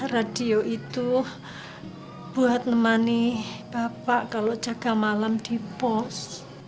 radio itu buat nemani bapak kalau jaga malam di pos